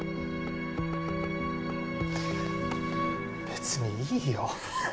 別にいいよ。